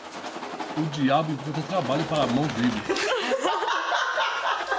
O diabo encontra trabalho para mãos livres.